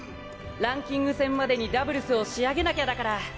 ランキング戦までにダブルスを仕上げなきゃだから。